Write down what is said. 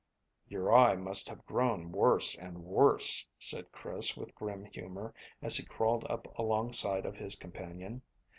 "Your eye must have grown worse and worse," said Chris, with grim humour, as he crawled up alongside of his companion.